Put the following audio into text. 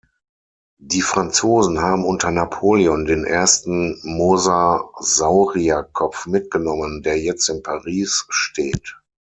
Die Franzosen haben unter Napoleon den ersten Mosasaurierkopf mitgenommen, der jetzt in Paris steht.